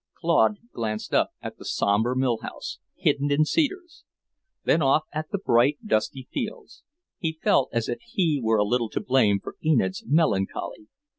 Claude glanced up at the sombre mill house, hidden in cedars, then off at the bright, dusty fields. He felt as if he were a little to blame for Enid's melancholy.